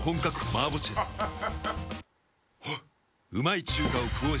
あっ。